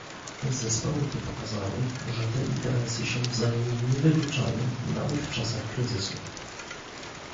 Zespoły te pokazały, że te interesy się wzajemnie nie wykluczają nawet w czasach kryzysu